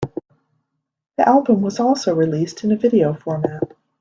The album was also released on in video format.